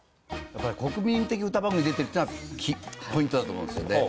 やっぱり国民的歌番組に出てるっていうのがポイントだと思うんですよね。